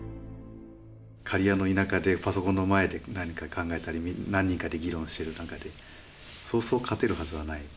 刈谷の田舎でパソコンの前で何か考えたり何人かで議論してる中でそうそう勝てるはずはない。